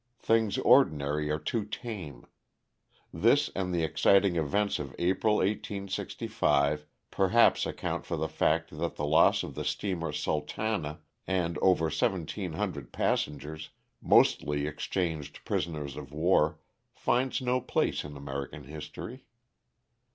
Things ordinary are too tame. This, and the exciting events of April, 1865, perhaps account for the fact that the loss of the steamer " Sultana" and over 1,700 passengers, mostly exchanged prisoners of war, finds no place in American history.